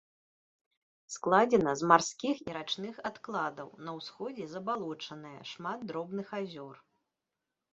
Складзена з марскіх і рачных адкладаў, на ўсходзе забалочаная, шмат дробных азёр.